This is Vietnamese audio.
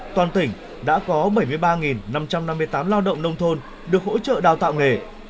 toàn tỉnh đã có bảy mươi ba năm trăm năm mươi tám lao động nông thôn được hỗ trợ đào tạo nghề